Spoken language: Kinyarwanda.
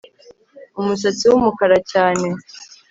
umusatsi wumukara cyane